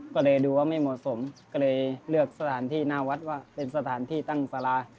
ก็เลยดูว่าไม่เหมาะสมก็เลยเลือกสถานที่หน้าวัดว่าเป็นสถานที่ตั้งสารา